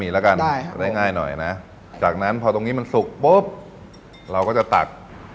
แล้วกันจะได้ง่ายหน่อยนะจากนั้นพอตรงนี้มันสุกปุ๊บเราก็จะตัก